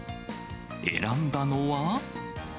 選んだのは。